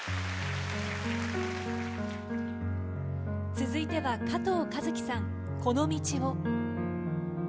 続いては加藤和樹さん「この道を」。